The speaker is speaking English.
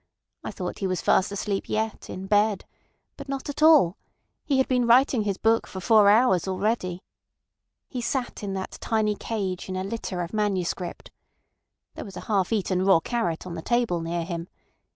I thought he was fast asleep yet, in bed. But not at all. He had been writing his book for four hours already. He sat in that tiny cage in a litter of manuscript. There was a half eaten raw carrot on the table near him.